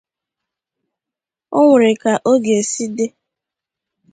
o nwere ka ọ ga-esi dị